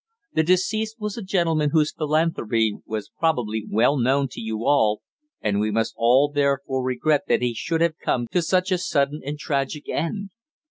The deceased was a gentleman whose philanthropy was probably well known to you all, and we must all therefore regret that he should have come to such a sudden and tragic end.